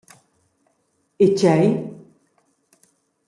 E tgei?